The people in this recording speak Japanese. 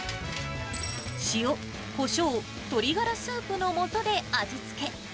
塩、こしょう、鶏ガラスープのもとで味付け。